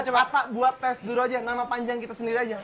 coba tak buat tes dulu aja nama panjang kita sendiri aja